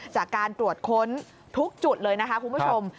จากการตรวจค้นทุกจุดเลยนะคะคุณผู้ชม